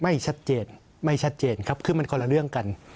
ไม่ชัดเจนไม่ชัดเจนครับคือมันคนละเรื่องกัน